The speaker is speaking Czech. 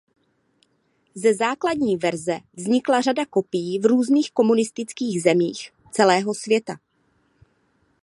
Ze základní verze vznikla řada kopií v různých komunistických zemích celého světa.